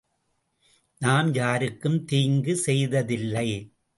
நாம் யாருக்கும் தீங்கு செய்ததில்லை!